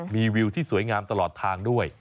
มีวิวที่สวยงามตลอดทางด้วย